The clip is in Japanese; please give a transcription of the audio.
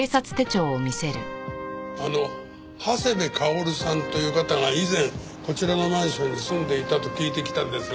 あの長谷部薫さんという方が以前こちらのマンションに住んでいたと聞いて来たんですが。